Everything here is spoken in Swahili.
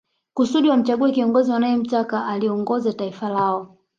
Kusudi wamchague kiongozi wanae mtaka aliongoze taifa lao